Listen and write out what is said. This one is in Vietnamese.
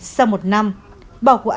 sau một năm bò của anh đã có thể được mua bò